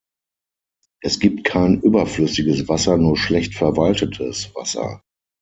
Es gibt kein überflüssiges Wasser, nur schlecht verwaltetes Wasser.